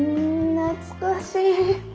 懐かしい！